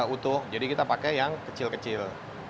utuh jadi kita pakai yang kecil kecil